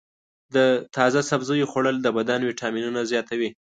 د تازه سبزیو خوړل د بدن ویټامینونه زیاتوي.